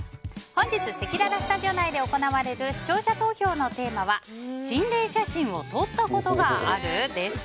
本日、せきららスタジオ内で行われる視聴者投票のテーマは心霊写真を撮ったことがある？です。